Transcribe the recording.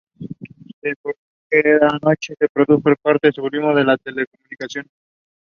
The other three victims have not been named.